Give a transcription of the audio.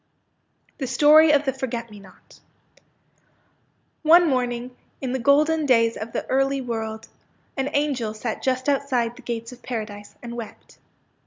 THE STORY OP THE FORGET ME NOT One morning, in the golden days of the early world, an angel sat just outside the gates of Paradise, and wept.